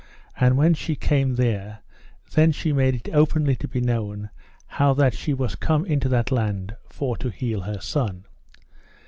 And when she came there, then she made it openly to be known how that she was come into that land for to heal her son.